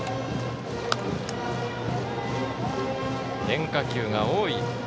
変化球が多い